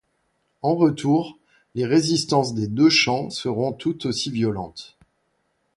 En retour, les résistances des deux champs seront toutes aussi violentes.